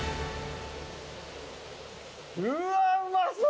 うわうまそう！